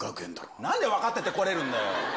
なんで分かってて来れるんだよ。